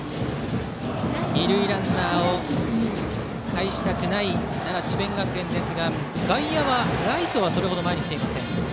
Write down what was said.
二塁ランナーをかえしたくない奈良・智弁学園ですが外野はライトはそれ程、前に来ていません。